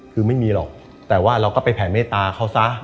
คือไม่มีหรอกแต่ว่าเราก็ไปแผ่เมตตาเขาซะ